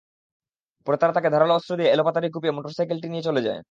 পরে তারা তাঁকে ধারালো অস্ত্র দিয়ে এলোপাতাড়ি কুপিয়ে মোটরসাইকেলটি নিয়ে চলে যায়।